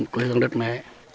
quê hương đất mẹ